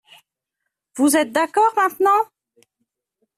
Vous êtes d'accord maintenant ?